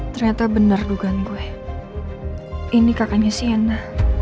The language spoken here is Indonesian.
ternyata bener dugaan gue ini kakaknya sienna